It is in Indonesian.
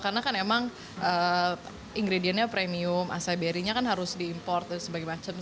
karena kan emang ingredientnya premium asai berrynya kan harus diimport dan sebagain macam